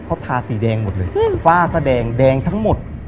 เขาทาสีแดงหมดเลยฝ้าก็แดงแดงทั้งหมด